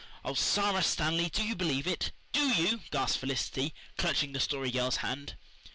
"Oh, Sara Stanley, do you believe it? DO you?" gasped Felicity, clutching the Story Girl's hand.